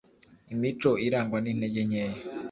imico irangwa n’intege nkeya